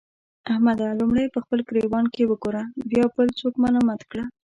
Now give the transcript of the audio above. احمده! لومړی په خپل ګرېوان کې وګوره؛ بيا بل څوک ملامت کړه.